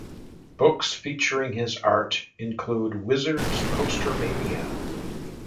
Books featuring his art include Wizard's PosterMania!